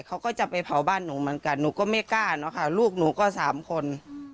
เขาก็จะไปเผาบ้านหนูเหมือนกันหนูก็ไม่กล้าเนอะค่ะลูกหนูก็สามคน